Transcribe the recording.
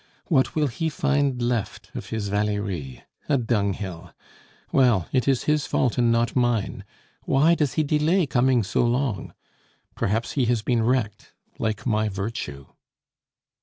What will he find left of his Valerie? A dunghill. Well! it is his fault and not mine; why does he delay coming so long? Perhaps he has been wrecked like my virtue."